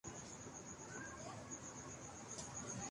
اس کی ماں گائےکے گوبر سے اپلے بناتی ہے